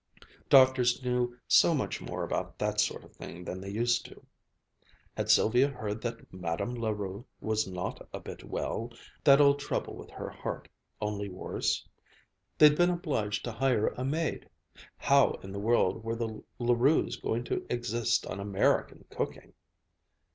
Doctors knew so much more about that sort of thing than they used to. Had Sylvia heard that Madame La Rue was not a bit well, that old trouble with her heart, only worse? They'd been obliged to hire a maid how in the world were the La Rues going to exist on American cooking?